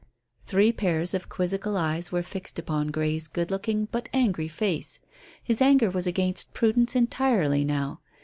Three pairs of quizzical eyes were fixed upon Grey's good looking but angry face. His anger was against Prudence entirely now.